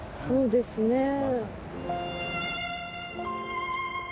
そうですね。